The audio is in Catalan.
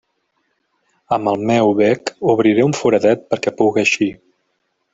Amb el meu bec obriré un foradet perquè puga eixir.